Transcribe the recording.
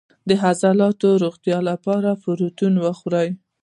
د عضلاتو د روغتیا لپاره پروتین وخورئ